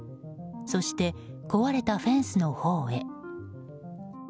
そして、壊れたフェンスのほうへ。